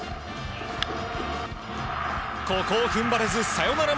ここを踏ん張れずサヨナラ